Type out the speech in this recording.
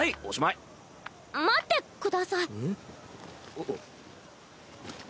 あっ。